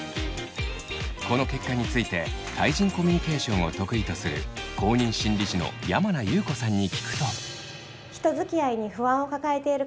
この結果について対人コミュニケーションを得意とする公認心理師の山名裕子さんに聞くと。